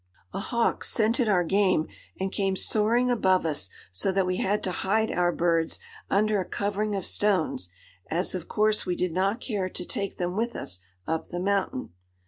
] A hawk scented our game and came soaring above us so that we had to hide our birds under a covering of stones, as of course we did not care to take them with us up the mountain.